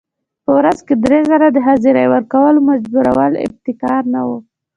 په ورځ کې درې ځله د حاضرۍ ورکولو مجبورول ابتکار نه و.